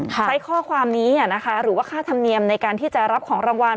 ใช้ข้อความนี้หรือว่าค่าธรรมเนียมในการที่จะรับของรางวัล